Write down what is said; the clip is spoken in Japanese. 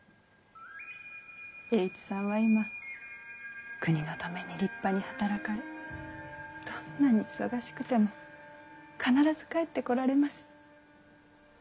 栄一さんは今国のために立派に働かれどんなに忙しくても必ず帰ってこられます。